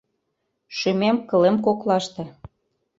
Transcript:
Шӱмем-кылем коклаште.